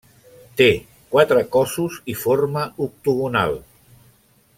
Té quatre cossos i forma octogonal.